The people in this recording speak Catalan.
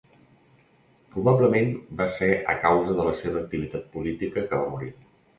Probablement, va ser a causa de la seva activitat política que va morir.